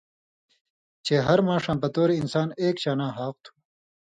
چے ہر ماݜاں بطور انسان اېک شاناں حاق تُھو؛